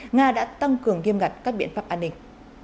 nga đã tăng cường nghiêm ngặt các biện pháp an ninh